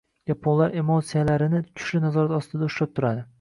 Yaponlar emotsiyalarini kuchli nazorat ostida ushlab turadi.